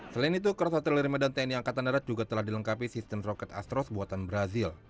selain itu cros hotel dari medan tni angkatan darat juga telah dilengkapi sistem roket astros buatan brazil